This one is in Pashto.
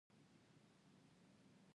زه د خپل هېواد سره مینه لرم